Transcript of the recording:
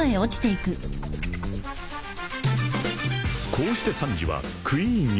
［こうしてサンジはクイーンに勝利］